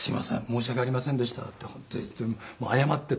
申し訳ありませんでした」って謝って。